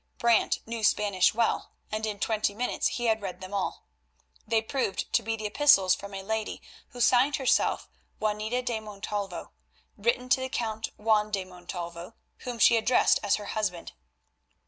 Brant knew Spanish well, and in twenty minutes he had read them all. They proved to be epistles from a lady who signed herself Juanita de Montalvo, written to the Count Juan de Montalvo, whom she addressed as her husband.